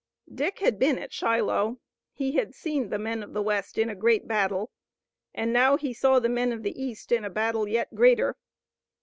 Dick had been at Shiloh. He had seen the men of the west in a great battle, and now he saw the men of the east in a battle yet greater.